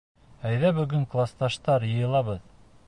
Әйҙә бөгөн класташтар йыйылабыҙ.